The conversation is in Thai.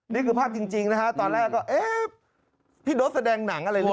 นี่คือภาพจริงนะฮะตอนแรกก็เอ๊ะพี่โดสแสดงหนังอะไรเลย